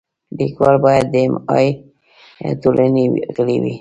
لیکوال باید د ایم ایل اې ټولنې غړی وي.